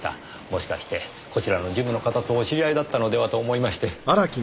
もしかしてこちらのジムの方とお知り合いだったのでは？と思いまして。